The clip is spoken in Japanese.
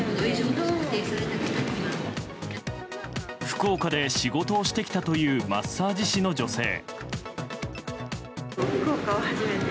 福岡で仕事をしてきたというマッサージ師の女性。